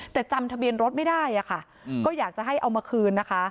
แต่จำทะเบียนรถไม่ได้อะค่ะก็อยากจะให้เอามาคืนนะคะ